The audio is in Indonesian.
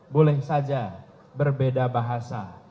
boleh saja berbeda bahasa